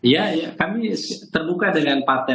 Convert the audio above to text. ya kami terbuka dengan partai